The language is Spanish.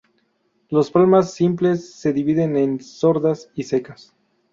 Las palmas simples se dividen en "sordas" y "secas".